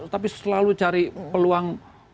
tapi selalu cari peluang